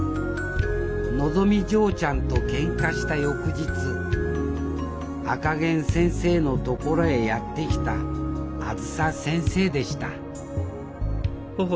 のぞみ嬢ちゃんとケンカした翌日赤ゲン先生のところへやって来たあづさ先生でしたうん？